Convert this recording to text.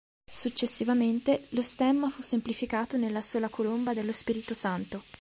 Successivamente lo stemma fu semplificato nella sola colomba dello Spirito Santo.